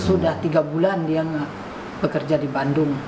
sudah tiga bulan dia bekerja di bandung